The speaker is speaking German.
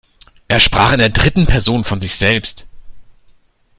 Er sprach in der dritten Person von sich selbst.